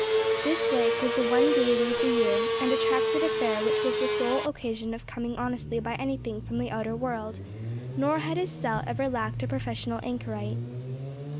This wake was the one gaiety of the year, and attracted a fair which was the sole occasion of coming honestly by anything from the outer world; nor had his cell ever lacked a professional anchorite.